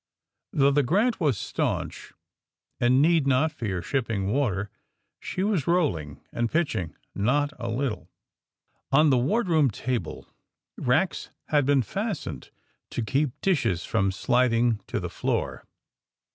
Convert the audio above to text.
Though the *^ Grant" was staunch, and need not fear shipping water, she was rolling and pitching not a little. On the wardroom table racks had been fastened to keep dishes from slid ing to the floor.